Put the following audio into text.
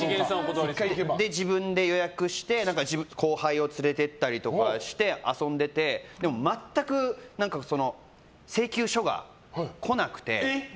自分で予約して後輩を連れて行ったりとかして遊んでてでも、全く請求書が来なくて。